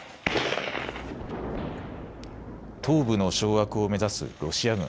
東部の掌握を目指すロシア軍。